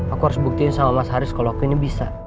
aku harus buktiin sama mas haris kalau aku ini bisa